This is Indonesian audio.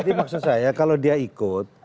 maksud saya kalau dia ikut